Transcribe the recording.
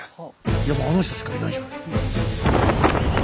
いやもうあの人しかいないじゃない。